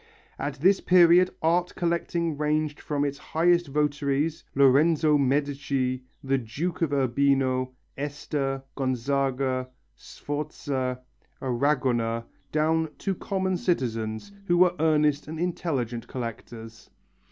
At this period art collecting ranged from its highest votaries, Lorenzo Medici, the Duke of Urbino, Este, Gonzaga, Sforza, Arragona, down to common citizens who were earnest and intelligent collectors.